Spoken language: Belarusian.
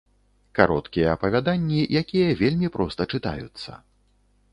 Кароткія апавяданні, якія вельмі проста чытаюцца.